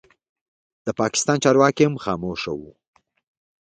د پاکستان چارواکي هم خاموشه وو.